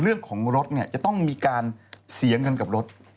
เรื่องของรถเนี่ยจะต้องมีการเสียเงินกับรถ